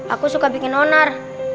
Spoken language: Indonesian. aku suka bikin onar